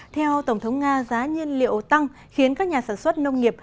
theo tổng thống nga giá nhiên liệu tăng khiến các nhà sản xuất nông nghiệp